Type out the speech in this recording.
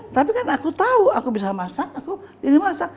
tapi kan aku tahu aku bisa masak aku ini masak